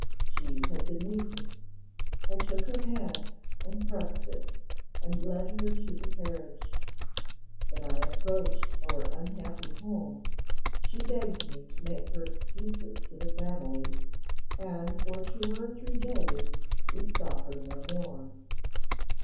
She had been weeping. I took her hand and pressed it, and led her to the carriage. When I approached our unhappy home, she begged me to make her excuses to the family, and for two or three days we saw her no more.